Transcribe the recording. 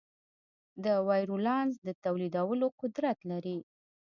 د وایرولانس د تولیدولو قدرت لري.